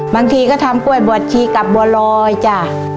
บางทีก็ทำกล้วยบวชชีกับบัวลอยจ้ะ